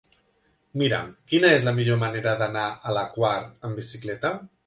Mira'm quina és la millor manera d'anar a la Quar amb bicicleta.